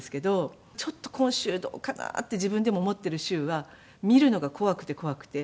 ちょっと今週どうかな？って自分でも思っている週は見るのが怖くて怖くて。